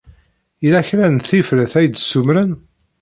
Yella kra n tifrat ay d-ssumren?